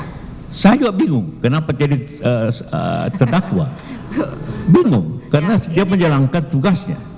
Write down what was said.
saya juga bingung kenapa jadi terdakwa bunuh karena setiap menjalankan tugasnya